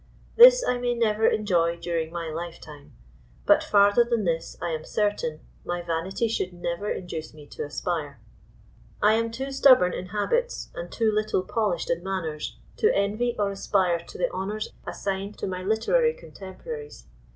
This I may never enjoy during my lifetime; but farther than this, I am certain, my vanity should never induce me to aspire. I am too stubborn in habits, and too little polished in manners, to envy or aspire to the honours assigned to my literary contemporaries.